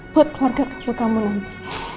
buat keluarga kecil kamu lagi